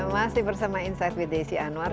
masih bersama insight with desi anwar